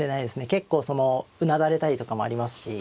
結構そのうなだれたりとかもありますし。